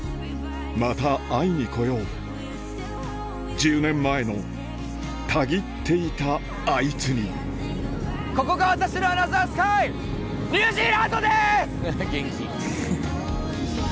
１０年前のたぎっていたあいつにここが私のアナザースカイニュージーランドです‼